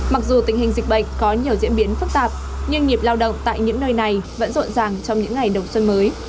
mặc dù tình hình dịch bệnh có nhiều diễn biến phức tạp nhưng nhịp lao động tại những nơi này vẫn rộn ràng trong những ngày đầu xuân mới